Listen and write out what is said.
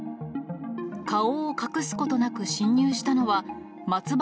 顔を隠すことなく侵入したのは、松葉